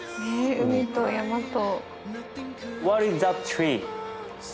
海と山と。